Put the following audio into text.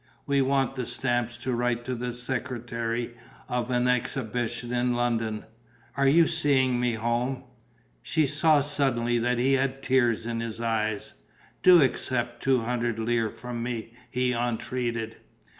"We wanted the stamps to write to the secretary of an exhibition in London. Are you seeing me home?" She saw suddenly that he had tears in his eyes. "Do accept two hundred lire from me!" he entreated.